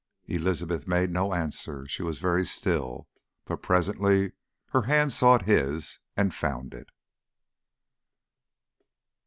Elizabeth made no answer she was very still; but presently her hand sought his and found it.